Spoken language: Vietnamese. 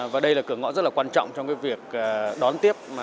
và đây là cửa ngõ rất là quan trọng trong việc đón tiếp